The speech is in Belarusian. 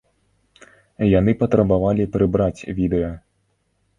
Яны патрабавалі прыбраць відэа.